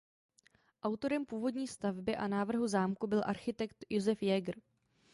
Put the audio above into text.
Autorem původní stavby a návrhu zámku byl architekt Josef Jäger.